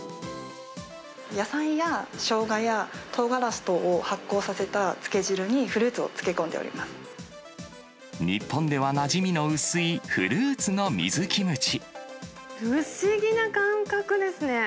野菜やしょうがやとうがらし等を発酵させた漬け汁に、フルー日本ではなじみの薄いフルー不思議な感覚ですね。